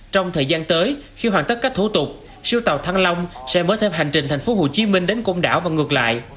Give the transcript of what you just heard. trong thời gian tới khi hoàn tất các thủ tục siêu tàu thăng long sẽ mở thêm hành trình thành phố hồ chí minh đến công đảo và ngược lại